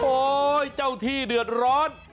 โอ้โหเจ้าที่เดือดร้อน